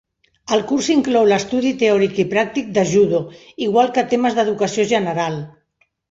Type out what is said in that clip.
El curs inclou l'estudi teòric i pràctic de judo, igual que temes d'educació general.